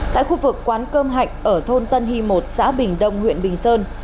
tại khu vực quán cơm hạnh ở thôn tân hy một xã bình đông huyện bình sơn